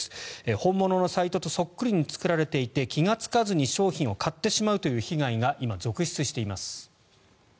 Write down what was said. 本物のサイトとそっくりに作られていて気がつかずに商品を買ってしまうという被害が今、続出しています。